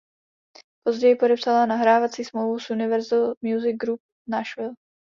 Později podepsala nahrávací smlouvu s Universal Music Group Nashville.